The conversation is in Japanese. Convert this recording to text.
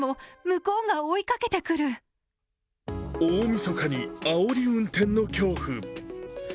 大みそかにあおり運転の恐怖。